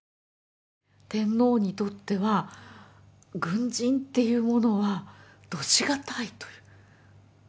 天皇にとっては軍人っていうものは度し難いという。